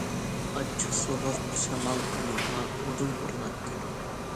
ئاچچىق سوغۇق شامال ئۇنىڭغا ئۇدۇل ئۇرۇلاتتى.